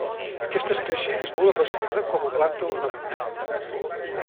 Aquesta espècie és molt apreciada com a planta ornamental.